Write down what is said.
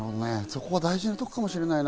大事なところかもしれないな。